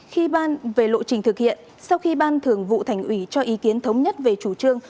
khi ban về lộ trình thực hiện sau khi ban thường vụ thành ủy cho ý kiến thống nhất về chủ trương